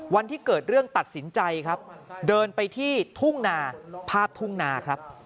วันที่เกิดเรื่องตัดสินใจครับเดินไปที่ทุ่งนาภาพทุ่งนาครับ